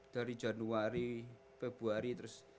dari januari februari terus